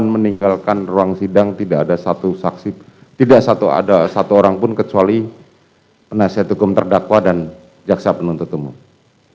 penasihat hukum terdakwa dan jaksa penuntut umum